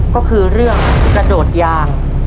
ก็คือเรื่องกระโดดยาง